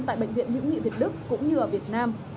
tại bệnh viện hữu nghị việt đức cũng như ở việt nam